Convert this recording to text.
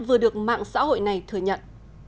vừa được mạng xã hội này thừa nhận